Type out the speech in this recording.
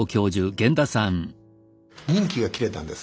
任期が切れたんです。